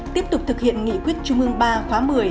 tiếp tục thực hiện nghị quyết trung ương ba khóa một mươi